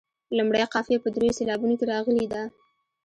لومړۍ قافیه په دریو سېلابونو کې راغلې ده.